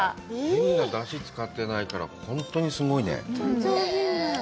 変な出汁を使ってないから、本当にすごいね。